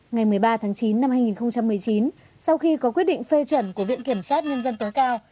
ngày một mươi ba tháng chín năm hai nghìn một mươi chín sau khi có quyết định phê chuẩn của viện kiểm sát nhân dân tối cao